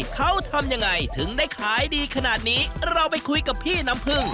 เขาทำยังไงถึงได้ขายดีขนาดนี้เราไปคุยกับพี่น้ำพึ่ง